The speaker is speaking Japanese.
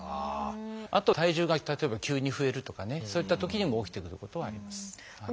あと体重が例えば急に増えるとかねそういったときにも起きてくることはあります。